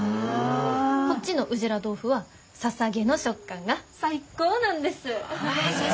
こっちのウジラ豆腐はササゲの食感が最高なんです。